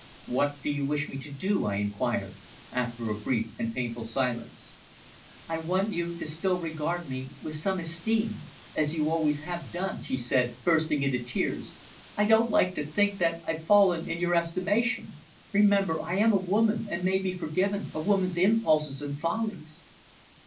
"What do you wish me to do?" I inquired, after a brief and painful silence. "I want you to still regard me with some esteem, as you always have done," she said, bursting into tears, "I don't like to think that I've fallen in your estimation. Remember, I am a woman and may be forgiven a woman's impulses and follies."